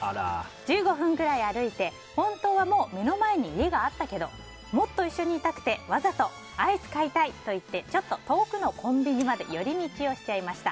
１５分くらい歩いて本当はもう目の前に家があったけどもっと一緒にいたくてわざとアイス買いたいといってちょっと遠くのコンビニまで寄り道をしちゃいました。